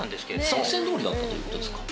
作戦どおりだったということですか？